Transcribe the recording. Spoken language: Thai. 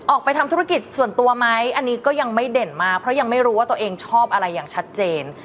ออกไปทำธุรกิจส่วนตัวไหมอันนี้ก็ยังไม่เด่นมากเพราะยังไม่รู้ว่าตัวเองชอบอะไรอย่างชัดเจน